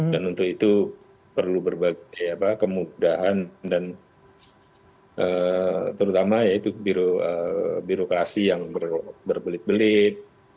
dan untuk itu perlu berbagai kemudahan dan terutama ya itu birokrasi yang berbelit belit